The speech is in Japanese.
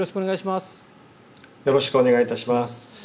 よろしくお願いします。